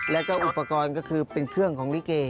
แล้วก็อุปกรณ์ก็คือเป็นเครื่องของลิเก